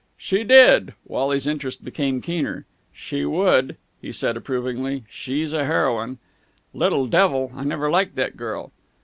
"She did!" Wally's interest became keener. "She would!" he said approvingly. "She's a heroine!" "Little devil! I never liked that girl!"